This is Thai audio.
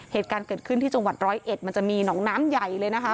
เหตุการณ์เกิดขึ้นที่จังหวัดร้อยเอ็ดมันจะมีหนองน้ำใหญ่เลยนะคะ